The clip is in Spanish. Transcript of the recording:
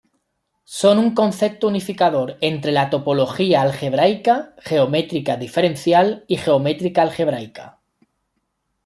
Son un concepto unificador entre la topología algebraica, geometría diferencial y geometría algebraica.